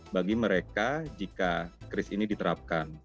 bagi mereka jika kris ini diterapkan